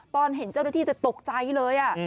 ตอนเห็นเจ้าหน้าที่จะตกใจเลย